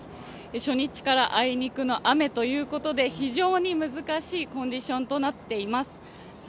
初日からあいにくの雨ということで、非常に難しいコンディションとなっています。